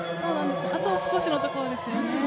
あと少しのところですよね。